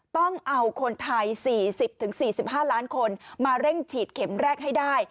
ต้องเอาคนไทย๔๐๔๕ล้านคนมาเร่งฉีดเข็มแรกให้ได้